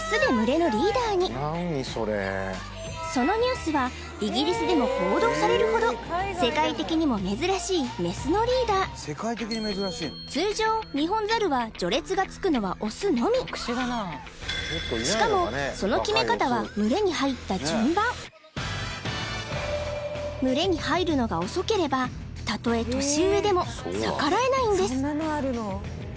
そのニュースはイギリスでも報道されるほど世界的にも珍しいメスのリーダー通常しかもその決め方は群れに入った順番群れに入るのが遅ければたとえ年上でも逆らえないんです